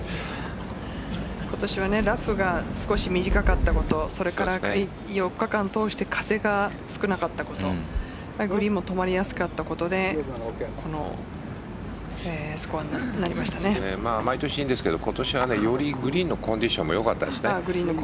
今年はラフが少し短かったことそれから４日間通して風が少なかったことグリーンも止まりやすかったとことで毎年いいんですけど今年は、よりグリーンのコンディションがよかったですね。